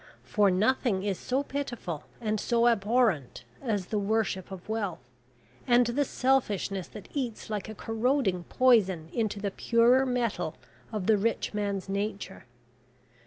For nothing is so pitiful and so abhorrent, as the worship of wealth, and the selfishness that eats like a corroding poison into the purer metal of the rich man's nature.